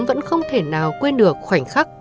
vẫn không thể nào quên được